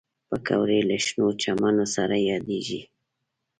پکورې له شنو چمنو سره یادېږي